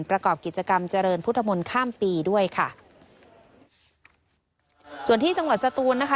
ประกอบกิจกรรมเจริญพุทธมนต์ข้ามปีด้วยค่ะส่วนที่จังหวัดสตูนนะคะ